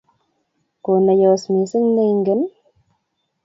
Ko ne yos missing nengen?